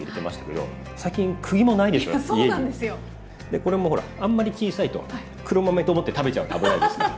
これもほらあんまり小さいと黒豆と思って食べちゃうと危ないですから。